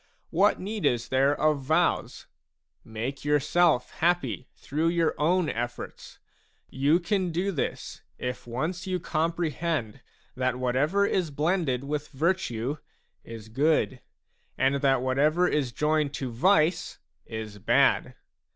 What need is there of vows ? Make yourself happy through your own efforts ; you can do this, if once you comprehend that whatever is blended with virtue is good, and that whatever is joined to vice is bad.